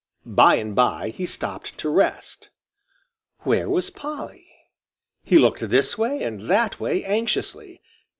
By and by he stopped to rest. Where was Polly? He looked this way and that way anxiously.